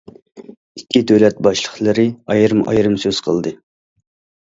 ئىككى دۆلەت باشلىقلىرى ئايرىم- ئايرىم سۆز قىلدى.